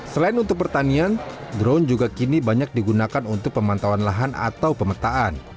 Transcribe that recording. selain untuk pertanian drone juga kini banyak digunakan untuk pemantauan lahan atau pemetaan